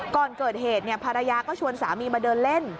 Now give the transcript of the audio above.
ก่อนเกิดเหตุภรรยาก็ชวนสามีมาเดินเล่น